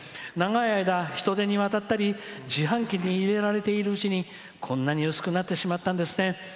「長い間、人手に渡ったり自販機に入れられているうちにこんなに薄くなってしまったんですね。